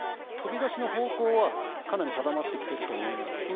飛び出しの方向はかなり定まってきていると思います。